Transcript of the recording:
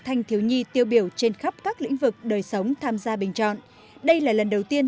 thanh thiếu nhi tiêu biểu trên khắp các lĩnh vực đời sống tham gia bình chọn đây là lần đầu tiên